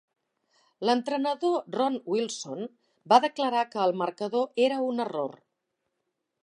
L'entrenador Ron Wilson va declarar que el marcador era un error.